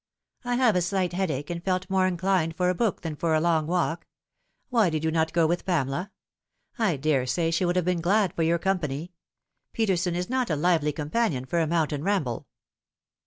" I have a slight headache, and felt more inclined for a book than for a long walk. Why did you not go with Pamela ? I daresay she would have been glad of your company. Peterson is not a lively companion for a mountain ramble."